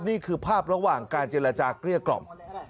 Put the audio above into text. นี่คือภาพระหว่างการเจรจาเกลี้ยกล่อม